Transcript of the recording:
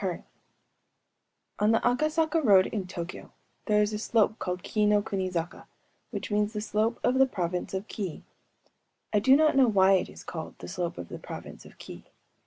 MUJINA On the Akasaka Road, in TŇćkyŇć, there is a slope called Kii no kuni zaka,‚ÄĒwhich means the Slope of the Province of Kii. I do not know why it is called the Slope of the Province of Kii.